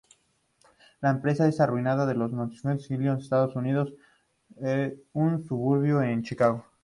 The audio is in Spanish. La empresa es oriunda de Northfield, Illinois, Estados Unidos, un suburbio de Chicago.